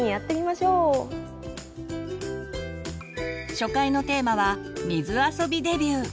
初回のテーマは「水あそびデビュー」。